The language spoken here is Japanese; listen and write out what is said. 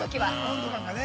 ◆温度感がね。